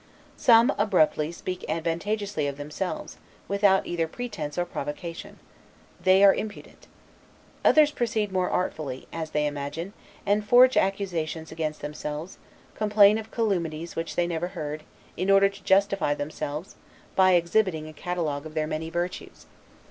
Some, abruptly, speak advantageously of themselves, without either pretense or provocation. They are impudent. Others proceed more artfully, as they imagine; and forge accusations against themselves, complain of calumnies which they never heard, in order to justify themselves, by exhibiting a catalogue of their many virtues.